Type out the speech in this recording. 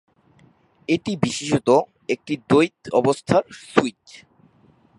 এটি বিশেষত একটি দ্বৈত অবস্থার সুইচ।